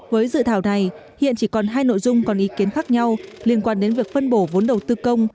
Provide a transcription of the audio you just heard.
với dự thảo này hiện chỉ còn hai nội dung còn ý kiến khác nhau liên quan đến việc phân bổ vốn đầu tư công